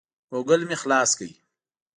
ګوګل مې خلاص کړ.